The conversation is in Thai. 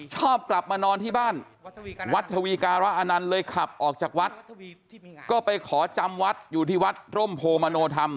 ชอบกลับมานอนที่บ้านวัดทวีการะอนันต์เลยขับออกจากวัดก็ไปขอจำวัดอยู่ที่วัดร่มโพมโนธรรม